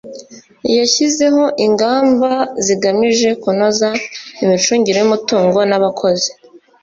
yashyizeho ingamba zigamije kunoza imicungire y umutungo n abakozi